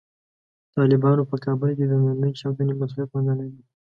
طالبانو په کابل کې د نننۍ چاودنې مسوولیت منلی دی.